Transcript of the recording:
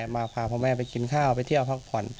มาพาพ่อแม่ไปกินข้าวไปเที่ยวพักผ่อน